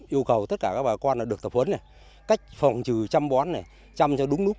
yêu cầu tất cả các bà con được tập huấn cách phòng trừ chăm bón chăm cho đúng lúc